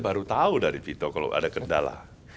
baru tahu dari vito kalau ada kendala